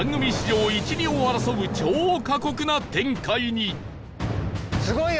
上一二を争う超過酷な展開に